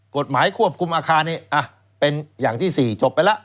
กฎหมายควบคุมอาคารนี้เป็นอย่างที่๔จบไปแล้ว